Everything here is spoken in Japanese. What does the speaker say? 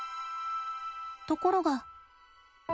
ところが。